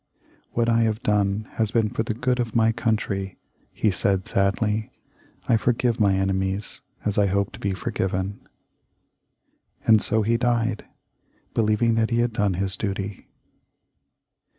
"What I have done has been for the good of my country," he said, sadly. "I forgive my enemies, as I hope to be forgiven." And so he died; believing that he had done his duty.